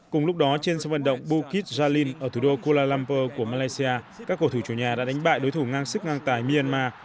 cùng lúc đó trên sân vận động bukit jalin ở thủ đô kuala lumpur của malaysia các cầu thủ chủ nhà đã đánh bại đối thủ ngang sức ngang tài myanmar